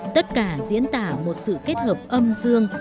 tất cả diễn tả một sự kết hợp âm dương